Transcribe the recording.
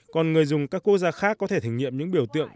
còn người dùng các quốc gia khác có thể thử nghiệm những biểu tượng